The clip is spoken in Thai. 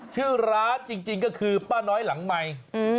ชื่อร้านจริงก็คือป้าน้อยหลังใหม่